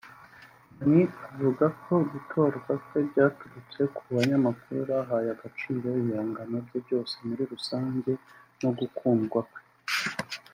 Danny avugako gutorwa kwe byaturutse ku banyamakuru bahaye agaciro ibihangano bye byose muri rusange n’ugukundwa kwe